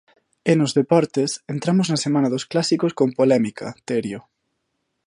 E nos deportes, entramos na semana dos clásicos con polémica, Terio.